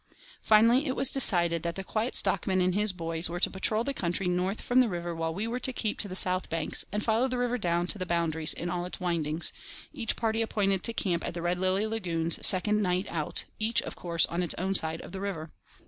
Finally, it was decided that the Quiet Stockman and his "boys" were to patrol the country north from the river while we were to keep to the south banks and follow the river down to the boundaries in all its windings, each party appointed to camp at the Red Lily lagoons second night out, each, of course, on its own side of the river.